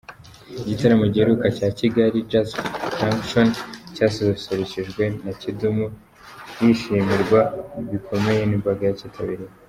Igitaramo giheruka cya Kigali Jazz Junction cyasusurukijwe na Kidum yishimirwa bikomeye n’imbaga yacyitabiriye.